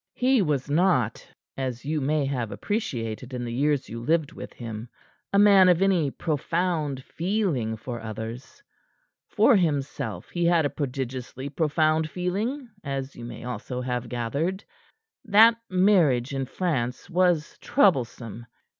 "He was not as you may have appreciated in the years you lived with him a man of any profound feeling for others. For himself he had a prodigiously profound feeling, as you may also have gathered. That marriage in France was troublesome.